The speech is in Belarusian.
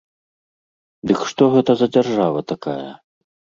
Дык што гэта за дзяржава такая?